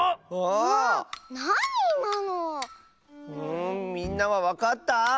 んみんなはわかった？